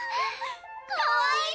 かわいい！